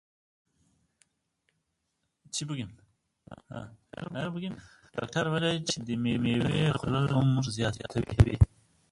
ډاکتر وویل چې د مېوې خوړل عمر زیاتوي.